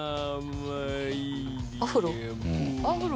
アフロ？